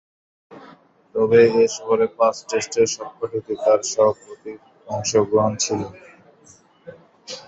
তবে এ সফরে পাঁচ টেস্টের সবকটিতেই তার সপ্রতিভ অংশগ্রহণ ছিল।